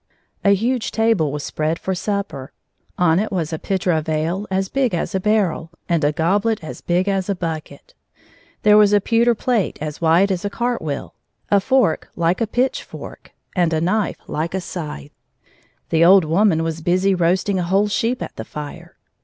A 140 huge table was spread for supper; on it was a pitcher of ale as big as a barrel, and a goblet as big as a bucket. There was a pewter plate as wide as a cart wheel, a fork like a pitch fork, and a knife like a scythe. The old woman was busy roasting a whole sheep at the fire.